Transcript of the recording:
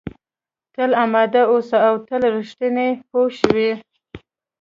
تل اماده اوسه او تل رښتینی پوه شوې!.